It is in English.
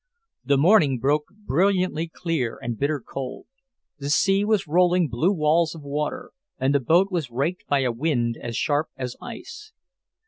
The morning broke brilliantly clear and bitter cold. The sea was rolling blue walls of water, and the boat was raked by a wind as sharp as ice.